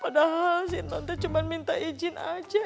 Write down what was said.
padahal si nol cuma minta izin aja